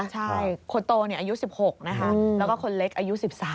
ใช่คนโตอายุ๑๖นะคะแล้วก็คนเล็กอายุ๑๓